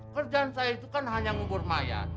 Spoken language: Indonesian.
kerjaan saya itu kan hanya ngubur mayat